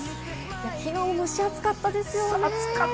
きのう、蒸し暑かったですよね。